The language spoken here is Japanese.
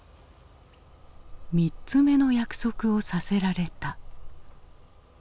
３つ目の約束をさせられた。